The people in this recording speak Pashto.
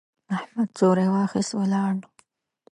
احمد څوری واخيست، ولاړ.